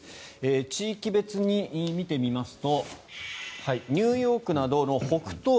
地域別に見てみますとニューヨークなどの北東部